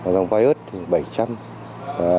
dòng virus thì bảy trăm linh